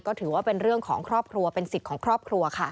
ก็ถือว่าเป็นเรื่องของครอบครัวเป็นสิทธิ์ของครอบครัวค่ะ